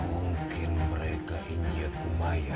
mungkin mereka ini aku maya